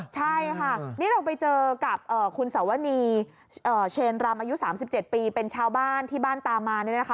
ใช่ค่ะนี่เราไปเจอกับคุณสวนีเชนรำอายุ๓๗ปีเป็นชาวบ้านที่บ้านตามมาเนี่ยนะคะ